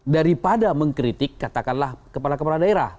daripada mengkritik katakanlah kepala kepala daerah